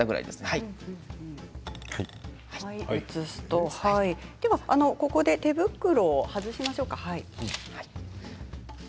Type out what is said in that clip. では、ここで手袋を外しましょうか。